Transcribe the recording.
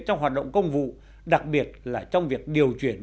trong hoạt động công vụ đặc biệt là trong việc điều chuyển